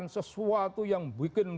sesuatu yang membuat